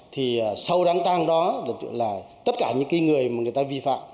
thì sau đáng tăng đó là tất cả những người mà người ta vi phạm